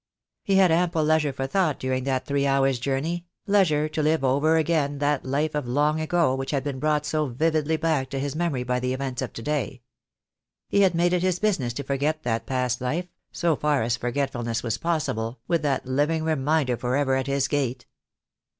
He had ample leisure for thought during that three hours' journey, leisure to live over again that life of long ago which had been brought so vividly back to his me mory by the events of to day. He had made it his busi ness to forget that past life, so far as forgetfulness was possible, with that living reminder for ever at his gate.